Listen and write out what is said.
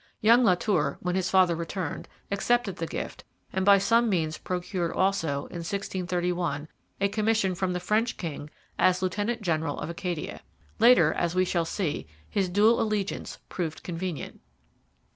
Young La Tour, when his father returned, accepted the gift, and by some means procured also, in 1631, a commission from the French king as lieutenant general of Acadia. Later, as we shall see, his dual allegiance proved convenient.